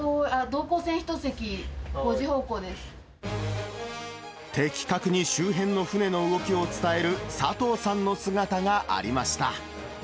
右、的確に周辺の船の動きを伝える佐藤さんの姿がありました。